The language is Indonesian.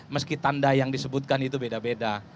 meski tanda yang disebutkan itu beda beda